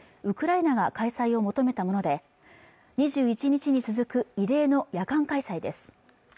ウクライナが開催を求めたもので２１日に続く異例の夜間開催です